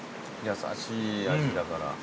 優しい味だから。